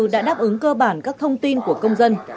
đã đáp ứng cơ bản các thông tin của công dân